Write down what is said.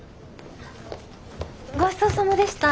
ごちそうさまでした。